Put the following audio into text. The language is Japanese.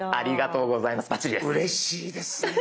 うれしいですね。